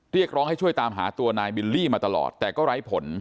เรียกร้องให้ช่วยตามหาตัวนายบิลลี่มาตลอดแต่ก็ไร้ผล